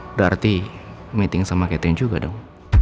berarti meeting sama captain juga dong